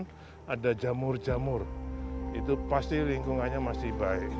kemudian ada jamur jamur itu pasti lingkungannya masih baik